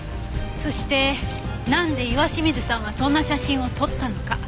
そしてなんで岩清水さんはそんな写真を撮ったのか。